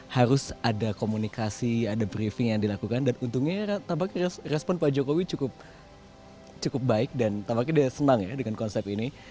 harus ada komunikasi ada briefing yang dilakukan dan untungnya tampaknya respon pak jokowi cukup baik dan tampaknya dia senang ya dengan konsep ini